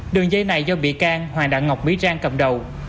đường dây này do bị can hoàng đạo ngọc mỹ trang cầm đầu